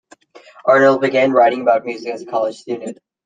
Arnold began writing about music as a college student.